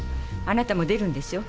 あなたも出るんでしょ？